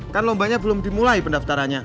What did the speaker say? kan lombanya belum dimulai pendaftarannya